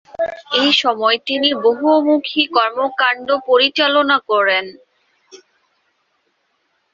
এ সময় তিনি বহুমুখী কর্মকান্ড পরিচালনা করেন।